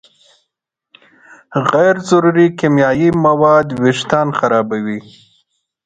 غیر ضروري کیمیاوي مواد وېښتيان خرابوي.